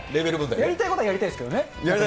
やりたいことはやりたいです